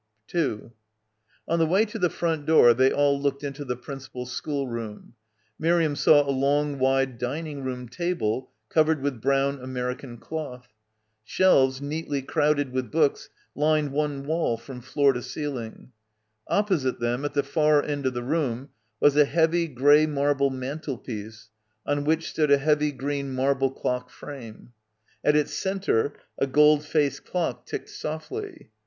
On the way to the front door they all looked into the principal schoolroom. Miriam saw a long wide dining room table covered with brown American cloth. Shelves neatly crowded with books lined one wall from floor to ceiling. Op posite them at the far end of the room was a heavy green marble clock frame. At its centre a gold faced clock ticked softly.